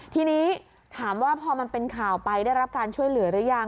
ทีนี้ถามว่าพอมันเป็นข่าวไปได้รับการช่วยเหลือหรือยัง